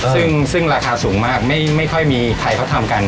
ซึ่งราคาสูงมากไม่ค่อยมีใครเขาทำกัน